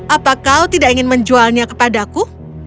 apa kau tidak ingin menjualnya kepadaku